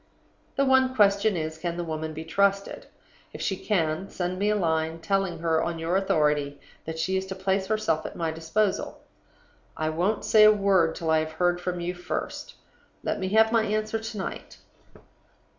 "The one question is, Can the woman be trusted? If she can, send me a line, telling her, on your authority, that she is to place herself at my disposal. I won't say a word till I have heard from you first. "Let me have my answer to night.